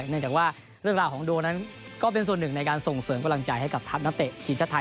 เนื่องจากว่าเรื่องราวของโดนั้นก็เป็นส่วนหนึ่งในการส่งเสริมกำลังใจให้กับทัพนักเตะทีมชาติไทย